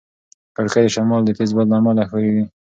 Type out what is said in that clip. کړکۍ د شمال د تېز باد له امله ښورېږي.